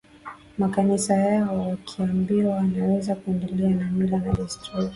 makanisa yao wakiambiwa wanaweza kuendelea na mila na desturi